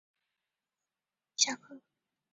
阿尔夏克下布里人口变化图示